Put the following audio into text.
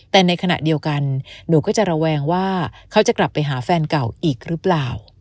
แต่ในขณะเดียวกันหนูก็จะระแวงว่าเขาจะกลับไปหาแฟนเก่าอีกหรือเปล่า